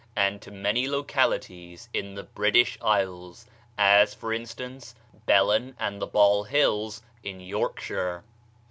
and to many localities, in the British Islands, as, for instance, Belan and the Baal hills in Yorkshire.